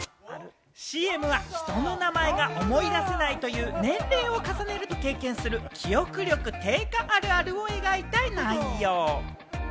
ＣＭは人の名前が思い出せないという、年齢を重ねると経験する記憶力低下あるあるを描いた内容。